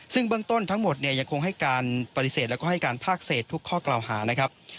ซึ่งเบื้องต้นทั้งหมดเนี่ยยังคงให้การปฏิเสธแล้วก็ให้การภาคเศษทุกข้อกล่าวหานะครับ